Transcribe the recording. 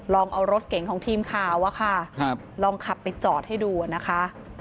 ลองเอารถเก่งของทีมข่าวอะค่ะลองขับไปจอดให้ดูนะคะ